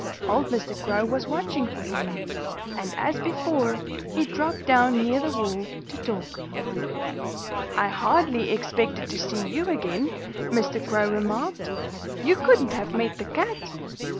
Old Mr. Crow was watching for him. And as before, he dropped down near the wall to talk. "I hardly expected to see you again," Mr. Crow remarked. "You couldn't have met the cat."